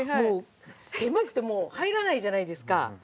狭くてもう入らないじゃないですか。